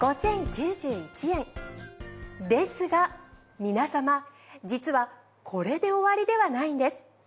ですが皆様実はこれで終わりではないんです。